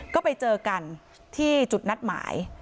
ก็ไปเจอกันที่จุดนัดหมาย